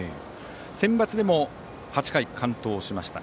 センバツでも８回完投しました。